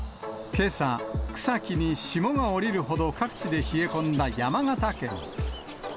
けさ、草木に霜が降りるほど、各地で冷え込んだ山形県。